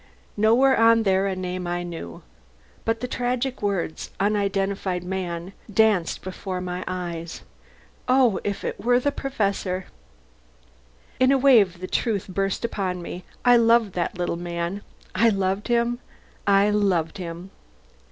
Nowhere was there a name I knew. But the tragic words "unidentified man" danced before my eyes. Oh! if it were the Professor.... In a wave the truth burst upon me. I loved that little man: I loved him, I loved him.